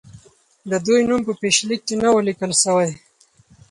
د دوی نوم په پیشلیک کې نه وو لیکل سوی.